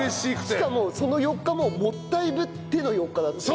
しかもその４日ももったいぶっての４日だって。